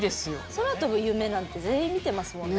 空飛ぶ夢なんて全員みてますもんね。